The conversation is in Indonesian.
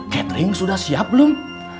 katering sudah siap belum